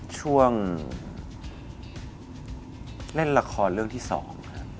ช่วงเล่นละครเรื่องที่สองครับ